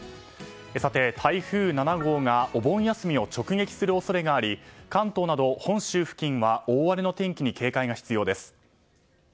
さて、台風７号がお盆休みを直撃する恐れがあり関東など本州付近は大荒れの天気に警戒が必要です。